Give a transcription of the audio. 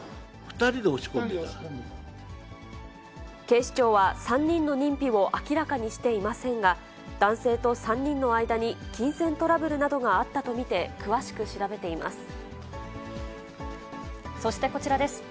警視庁は、３人の認否を明らかにしていませんが、男性と３人の間に金銭トラブルなどがあったと見て、詳しく調べてそしてこちらです。